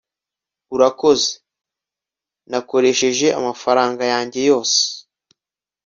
urakoze, nakoresheje amafaranga yanjye yose